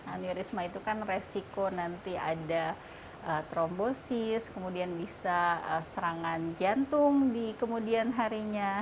aneurisma itu kan resiko nanti ada trombosis kemudian bisa serangan jantung di kemudian harinya